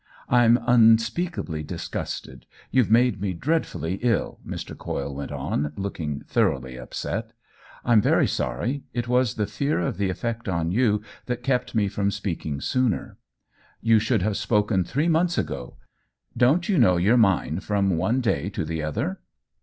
"I'm unspeakably disgusted. YouVe made me dreadfully ill," Mr. Coyle went on, looking thoroughly upset. " I*m very sorry. It was the fear of the effect on you that kept me from speaking sooner." "You should have spoken three months ago. Don't you know your mind from one day to the other